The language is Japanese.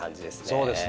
そうですね。